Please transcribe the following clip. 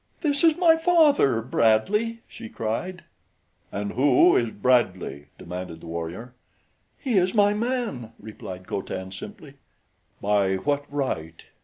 "This is my father, Brad lee," she cried. "And who is Brad lee?" demanded the warrior. "He is my man," replied Co Tan simply. "By what right?"